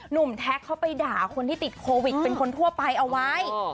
แท็กเขาไปด่าคนที่ติดโควิดเป็นคนทั่วไปเอาไว้